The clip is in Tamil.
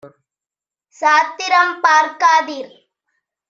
சாத்திரம் பார்க்கா தீர்!